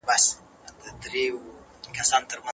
هغه د خپلو لاسونو په پاک ساتلو بوخت دی.